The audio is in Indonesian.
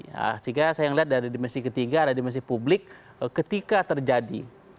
nah jika saya melihat dari dimensi ketiga dari dimensi publik ketika terjadi